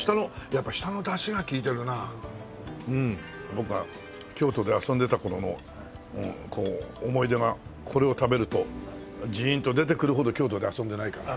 僕が京都で遊んでた頃の思い出がこれを食べるとじーんと出てくるほど京都で遊んでないかな。